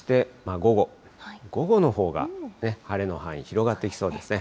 午後のほうが晴れの範囲、広がっていきそうですね。